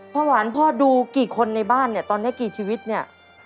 หวานพ่อดูกี่คนในบ้านเนี่ยตอนนี้กี่ชีวิตเนี่ย